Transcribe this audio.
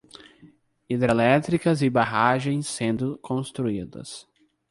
Hidrelétricas e barragens sendo construídas